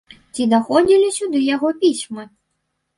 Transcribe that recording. Ці даходзілі сюды яго пісьмы?